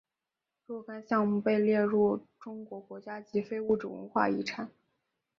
若干项目被列入中国国家级非物质文化遗产。